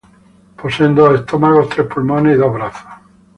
Poseen dos estómagos, tres pulmones y dos brazos.